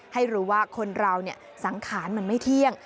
ให้รู้ว่าคนเราสังขารมันไม่เที่ยง